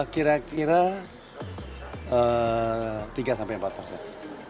kira kira tiga sampai empat persen